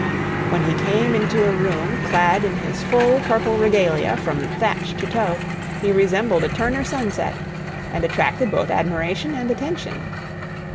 When he came into a room clad in his full purple regalia from thatch to toe, he resembled a Turner sunset, and attracted both admiration and attention.